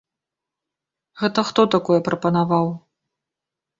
Гэта хто такое прапанаваў?